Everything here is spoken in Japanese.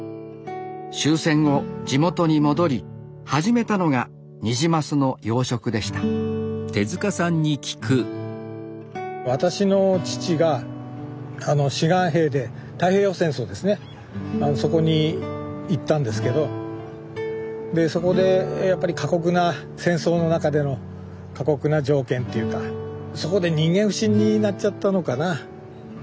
終戦後地元に戻り始めたのがニジマスの養殖でした私の父が志願兵で太平洋戦争ですねそこに行ったんですけどでそこでやっぱり過酷な戦争の中での過酷な条件っていうかそこで人間不信になっちゃったのかな。